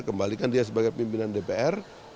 kembalikan dia sebagai pimpinan dpr